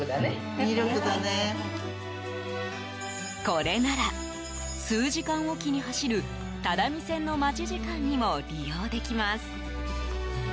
これなら数時間おきに走る只見線の待ち時間にも利用できます。